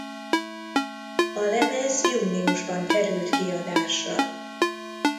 A lemez júniusban került kiadásra.